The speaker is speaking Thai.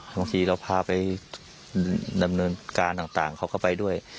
บางทีเราพาไปดำเนินการต่างเขาก็ไปด้วย